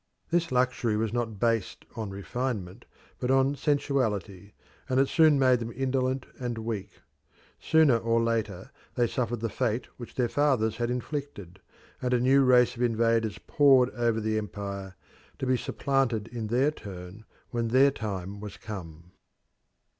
This luxury was not based on refinement but on sensuality, and it soon made them indolent and weak. Sooner or later they suffered the fate which their fathers had inflicted, and a new race of invaders poured over the empire, to be supplanted in their turn when their time was come.